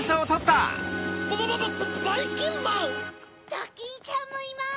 ・ドキンちゃんもいます！